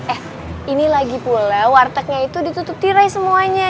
eh ini lagi pula wartegnya itu ditutup tirai semuanya